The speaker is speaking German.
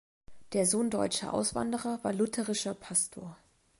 Der Sohn deutscher Auswanderer war lutherischer Pastor.